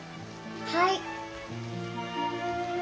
はい。